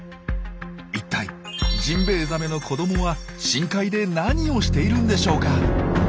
いったいジンベエザメの子どもは深海で何をしているんでしょうか？